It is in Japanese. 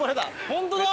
ホントだ！